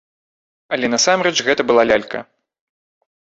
Але насамрэч гэта была лялька.